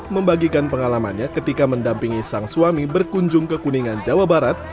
membagikan pengalamannya ketika mendampingi sang suami berkunjung ke kuningan jawa barat